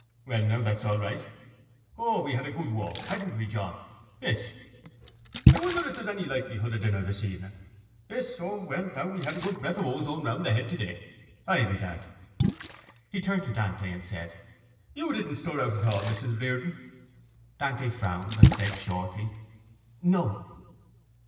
Well now, that's all right. O, we had a good walk, hadn't we, John? Yes... I wonder if there's any likelihood of dinner this evening. Yes... O, well now, we got a good breath of ozone round the Head today. Ay, bedad. He turned to Dante and said: —You didn't stir out at all, Mrs Riordan? Dante frowned and said shortly: —No.